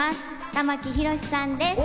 玉木宏さんです。